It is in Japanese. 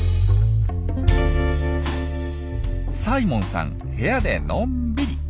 サイモンさん部屋でのんびり。